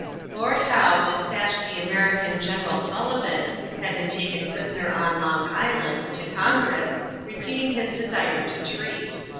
Lord Howe dispatched the American General Sullivan, who had been taken prisoner on Long Island, to Congress, repeating his desire to treat.